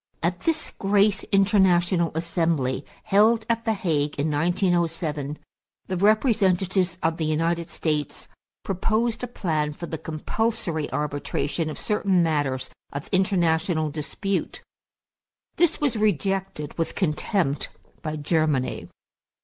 At this great international assembly, held at the Hague in 1907, the representatives of the United States proposed a plan for the compulsory arbitration of certain matters of international dispute. This was rejected with contempt by Germany.